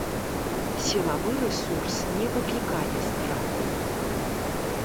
Сілавы рэсурс не выклікае страху.